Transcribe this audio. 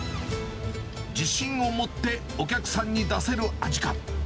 自信を持ってお客さんに出せる味か。